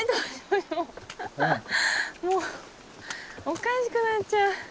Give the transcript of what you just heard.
おかしくなっちゃう。